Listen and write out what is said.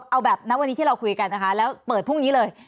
เอาแบบณวันนี้ที่เราคุยกันนะคะแล้วเปิดพรุ่งนี้เลย